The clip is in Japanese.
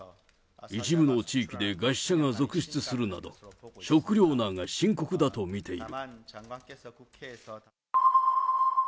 一部の地域で餓死者が続出するなど、食糧難が深刻だと見ている。